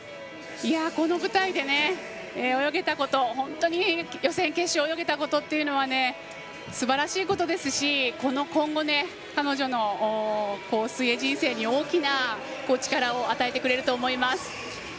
この舞台で泳げたこと本当に予選、決勝泳げたことはすばらしいことですし今後、彼女の水泳人生に大きな力を与えてくれると思います。